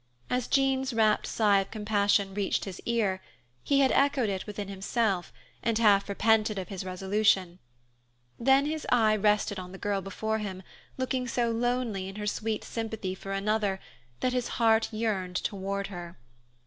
As Jean's rapt sigh of compassion reached his ear, he had echoed it within himself, and half repented of his resolution; then his eye rested on the girl before him looking so lonely in her sweet sympathy for another that his heart yearned toward her.